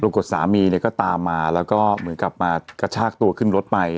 สามีเนี่ยก็ตามมาแล้วก็เหมือนกลับมากระชากตัวขึ้นรถไป